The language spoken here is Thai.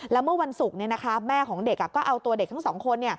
แล้วเมื่อวันศุกร์แม่ของเด็กก็เอาตัวเด็กทั้งสองคน